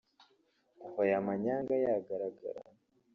Kuva aya manyanga yagaragara